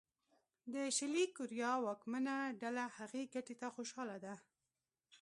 د شلي کوریا واکمنه ډله هغې ګټې ته خوشاله ده.